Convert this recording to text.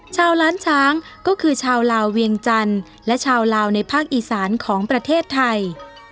ล้านช้างก็คือชาวลาวเวียงจันทร์และชาวลาวในภาคอีสานของประเทศไทย